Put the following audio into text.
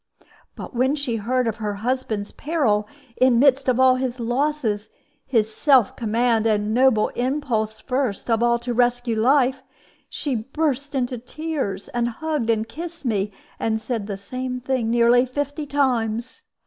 But when she heard of her husband's peril, in the midst of all his losses, his self command, and noble impulse first of all to rescue life, she burst into tears, and hugged and kissed me, and said the same thing nearly fifty times.